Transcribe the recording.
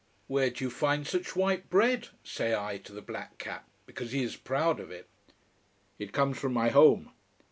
"Where do you find such white bread?" say I to the black cap, because he is proud of it. "It comes from my home."